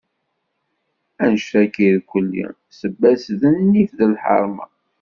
Anect-agi irkelli, sebba-s d nnif d lḥerma.